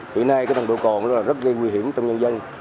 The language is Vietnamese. hiện nay cái nồng độ cồn đó là rất gây nguy hiểm trong nhân dân